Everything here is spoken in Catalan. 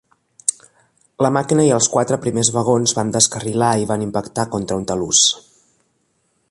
La màquina i els quatre primers vagons van descarrilar i van impactar contra un talús.